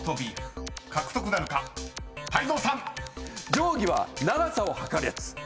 定規は長さを測るやつ。